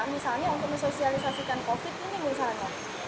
misalnya untuk mensosialisasikan covid ini misalnya